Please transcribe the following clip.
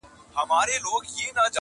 څوک به د خوشال له توري ومینځي زنګونه٫